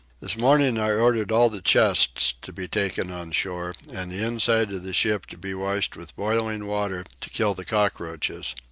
This morning I ordered all the chests to be taken on shore, and the inside of the ship to be washed with boiling water to kill the cockroaches.